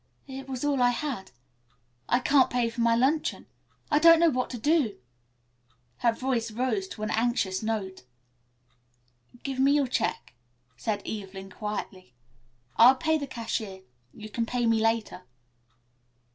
"It was all I had. I can't pay for my luncheon. I don't know what to do." Her voice rose to an anxious note. "Give me your check," said Evelyn quietly. "I'll pay the cashier. You can pay me later."